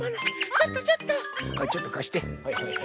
ちょっとちょっと。